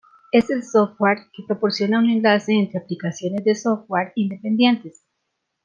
Es el "software" que proporciona un enlace entre aplicaciones de "software" independientes.